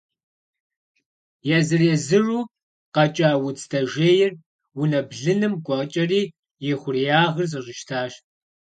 Езыр-езыру къэкӏа удз дэжейр унэ блыным гуэкӏэри и хъуреягъыр зэщӏищтащ.